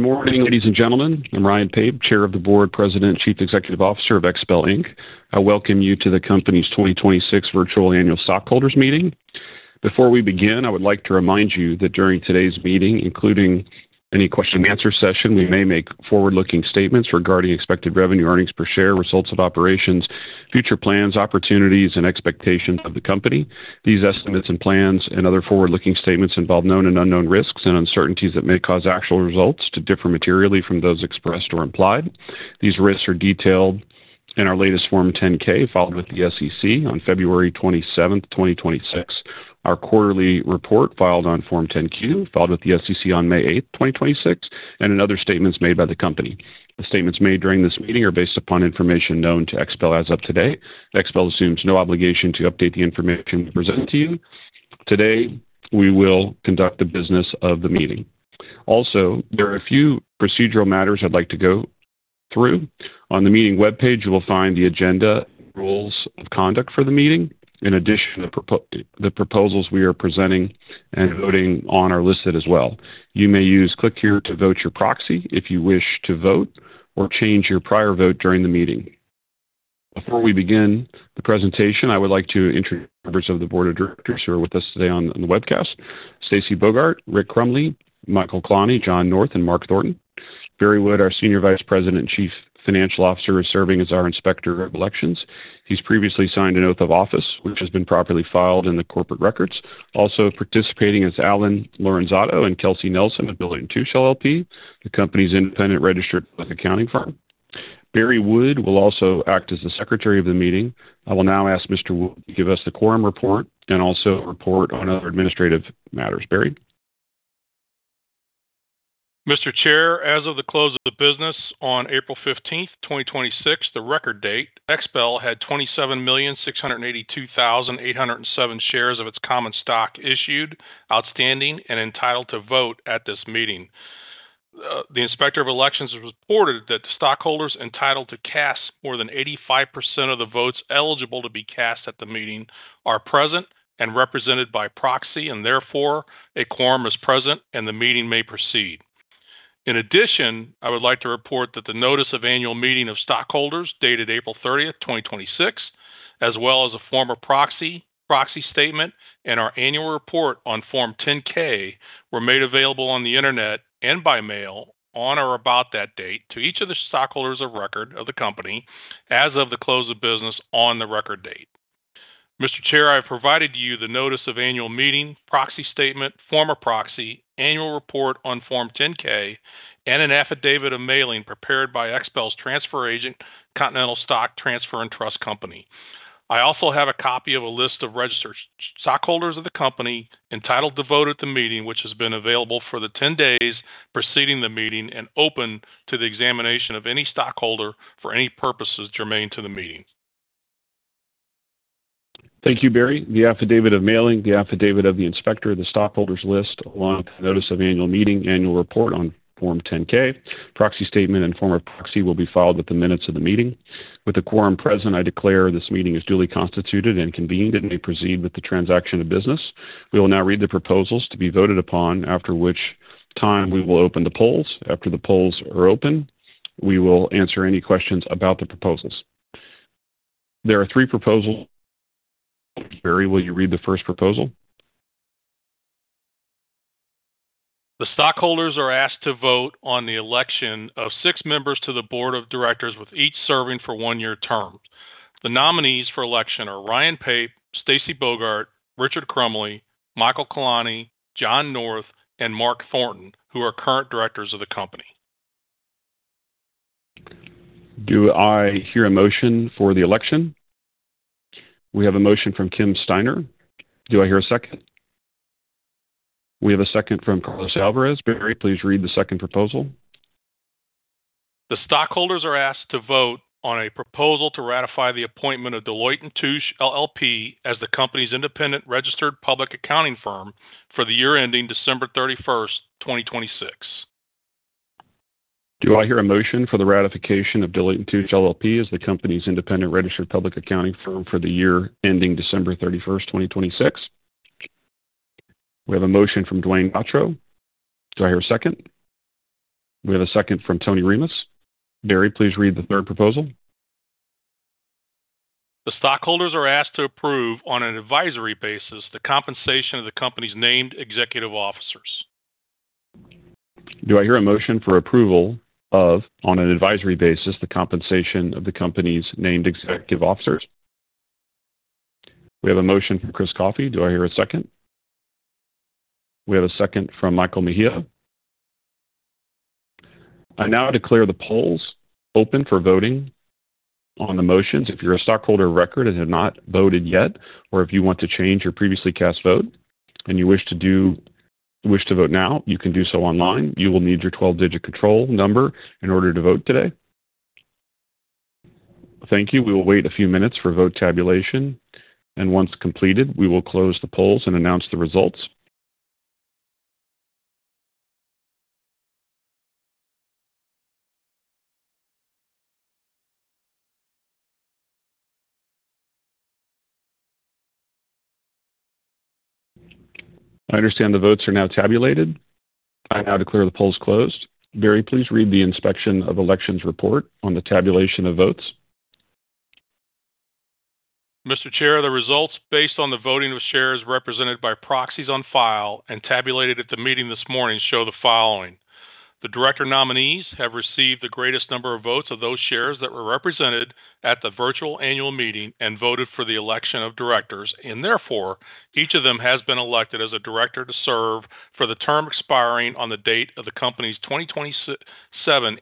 Good morning, ladies and gentlemen. I'm Ryan Pape, Chair of the Board, President, and Chief Executive Officer of XPEL Inc. I welcome you to the company's 2026 Virtual Annual Stockholders Meeting. Before we begin, I would like to remind you that during today's meeting, including any Q&A session, we may make forward-looking statements regarding expected revenue earnings per share, results of operations, future plans, opportunities, and expectations of the company. These estimates and plans and other forward-looking statements involve known and unknown risks and uncertainties that may cause actual results to differ materially from those expressed or implied. These risks are detailed in our latest Form 10-K filed with the SEC on February 27th, 2026, our quarterly report filed on Form 10-Q, filed with the SEC on May 8th, 2026, and in other statements made by the company. The statements made during this meeting are based upon information known to XPEL as of today. XPEL assumes no obligation to update the information we present to you. Today, we will conduct the business of the meeting. There are a few procedural matters I'd like to go through. On the meeting webpage, you will find the agenda, rules of conduct for the meeting. The proposals we are presenting and voting on are listed as well. You may use Click Here to Vote Your Proxy if you wish to vote or change your prior vote during the meeting. Before we begin the presentation, I would like to introduce members of the board of directors who are with us today on the webcast. Stacy Bogart, Rick Crumly, Michael Klonne, John North, and Mark Thornton. Barry Wood, our Senior Vice President and Chief Financial Officer, is serving as our Inspector of Elections. He's previously signed an oath of office, which has been properly filed in the corporate records. Participating is Allen Lorenzato and Kelsey Nelson of Deloitte & Touche LLP, the company's independent registered public accounting firm. Barry Wood will also act as the Secretary of the meeting. I will now ask Mr. Wood to give us the quorum report and also a report on other administrative matters. Barry? Mr. Chair, as of the close of business on April 15th, 2026, the record date, XPEL had 27,682,807 shares of its common stock issued, outstanding, and entitled to vote at this meeting. The Inspector of Elections has reported that stockholders entitled to cast more than 85% of the votes eligible to be cast at the meeting are present and represented by proxy, and therefore, a quorum is present and the meeting may proceed. I would like to report that the Notice of Annual Meeting of Stockholders, dated April 30th, 2026, as well as a form of proxy statement, and our annual report on Form 10-K were made available on the internet and by mail on or about that date to each of the stockholders of record of the company as of the close of business on the record date. Mr. Chair, I have provided you the notice of annual meeting, proxy statement, form of proxy, annual report on Form 10-K, and an affidavit of mailing prepared by XPEL's transfer agent, Continental Stock Transfer & Trust Company. I also have a copy of a list of registered stockholders of the company entitled to vote at the meeting, which has been available for the 10 days preceding the meeting and open to the examination of any stockholder for any purposes germane to the meeting. Thank you, Barry. The affidavit of mailing, the affidavit of the inspector, the stockholders list, along with the notice of annual meeting, annual report on Form 10-K, proxy statement and form of proxy will be filed with the minutes of the meeting. With the quorum present, I declare this meeting is duly constituted and convened, and may proceed with the transaction of business. We will now read the proposals to be voted upon, after which time we will open the polls. After the polls are open, we will answer any questions about the proposals. There are three proposals. Barry, will you read the first proposal? The stockholders are asked to vote on the election of six members to the board of directors, with each serving for one-year terms. The nominees for election are Ryan Pape, Stacy Bogart, Richard Crumly, Michael Klonne, John North, and Mark Thornton, who are current directors of the company. Do I hear a motion for the election? We have a motion from Kim Steiner. Do I hear a second? We have a second from Carlos Alvarez. Barry, please read the second proposal. The stockholders are asked to vote on a proposal to ratify the appointment of Deloitte & Touche LLP as the company's independent registered public accounting firm for the year ending December 31st, 2026. Do I hear a motion for the ratification of Deloitte & Touche LLP as the company's independent registered public accounting firm for the year ending December 31st, 2026? We have a motion from Duane Gotro. Do I hear a second? We have a second from Tony Rimas. Barry, please read the third proposal. The stockholders are asked to approve, on an advisory basis, the compensation of the company's named executive officers. Do I hear a motion for approval of, on an advisory basis, the compensation of the company's named executive officers? We have a motion from Chris Coffee. Do I hear a second? We have a second from Michael Mejia. I now declare the polls open for voting on the motions. If you're a stockholder of record and have not voted yet, or if you want to change your previously cast vote and you wish to vote now, you can do so online. You will need your 12-digit control number in order to vote today. Thank you. We will wait a few minutes for vote tabulation, and once completed, we will close the polls and announce the results. I understand the votes are now tabulated. I now declare the polls closed. Barry, please read the inspection of elections report on the tabulation of votes. Mr. Chair, the results based on the voting of shares represented by proxies on file and tabulated at the meeting this morning show the following. The director nominees have received the greatest number of votes of those shares that were represented at the virtual annual meeting and voted for the election of directors, and therefore, each of them has been elected as a director to serve for the term expiring on the date of the company's 2027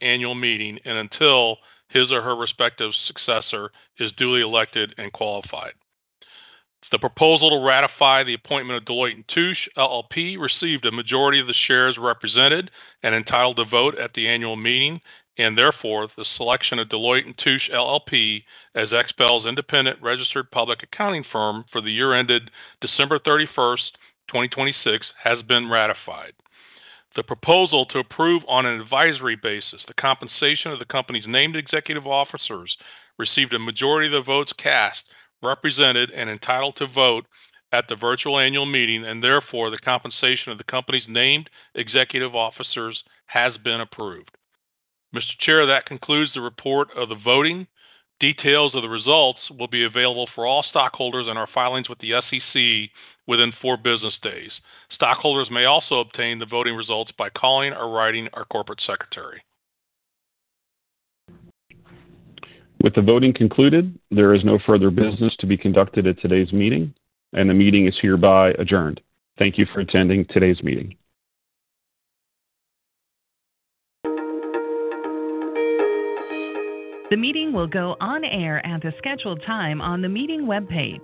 annual meeting and until his or her respective successor is duly elected and qualified. The proposal to ratify the appointment of Deloitte & Touche LLP received a majority of the shares represented and entitled to vote at the annual meeting, and therefore, the selection of Deloitte & Touche LLP as XPEL's independent registered public accounting firm for the year ended December 31st, 2026, has been ratified. The proposal to approve on an advisory basis the compensation of the company's named executive officers received a majority of the votes cast represented and entitled to vote at the virtual annual meeting, and therefore, the compensation of the company's named executive officers has been approved. Mr. Chair, that concludes the report of the voting. Details of the results will be available for all stockholders in our filings with the SEC within four business days. Stockholders may also obtain the voting results by calling or writing our corporate secretary. With the voting concluded, there is no further business to be conducted at today's meeting, and the meeting is hereby adjourned. Thank you for attending today's meeting.